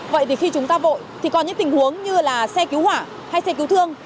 vậy thì khi chúng ta vội thì có những tình huống như là xe cứu hỏa hay xe cứu thương